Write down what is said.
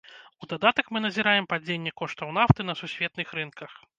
У дадатак мы назіраем падзенне коштаў нафты на сусветных рынках.